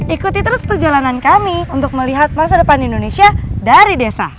ikuti terus perjalanan kami untuk melihat masa depan indonesia dari desa